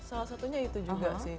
salah satunya itu juga sih